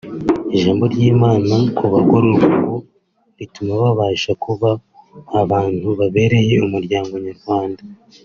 Ijambo ry’Imana ku bagororwa ngo rituma babasha kuba abantu babereye Umuryango Nyarwanda